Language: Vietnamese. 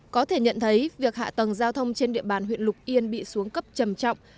có thể nhận thấy việc hạ tầng giao thông trên địa bàn huyện lục yên bị xuống cấp trầm trọng